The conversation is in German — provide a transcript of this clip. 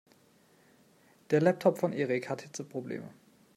Der Laptop von Erik hat Hitzeprobleme.